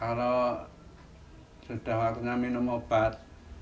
kalau sudah waktunya minum obat